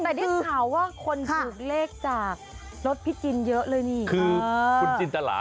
แต่ที่สาวะคนผีเลกจากรถพิย์เยอะเลยนี่คือคุณจิ้นตลา